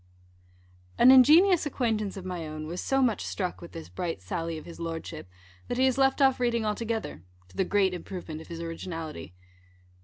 _ An ingenious acquaintance of my own was so much struck with this bright sally of his Lordship, that he has left off reading altogether, to the great improvement of his originality.